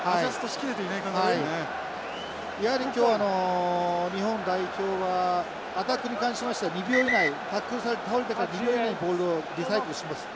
やはり今日あの日本代表はアタックに関しましては２秒以内タックルされて倒れてから２秒以内にボールをリサイクルしてますよね。